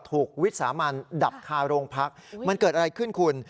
ถูกวิสามันดับคาโรงพักมันเกิดอะไรขึ้นคุณ